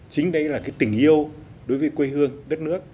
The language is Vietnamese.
chính đấy là cái tình yêu đối với quê hương đất nước